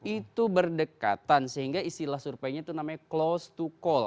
itu berdekatan sehingga istilah surveinya itu namanya close to call